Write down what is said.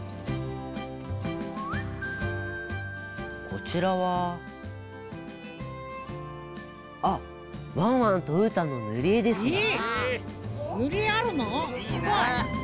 こちらはあっワンワンとうーたんのぬりえですね。